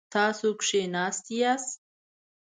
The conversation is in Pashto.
تاسو کښیناستی یاست؟